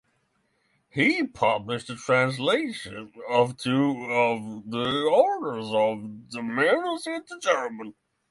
He published a translation of two of the orders of the Mishna into German.